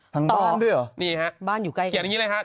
ทั้งบ้านด้วยเหรอนี่ฮะบ้านอยู่ใกล้เคียดอย่างนี้เลยฮะ